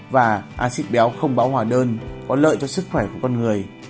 và acid béo không báo hòa đơn có lợi cho sức khỏe của con người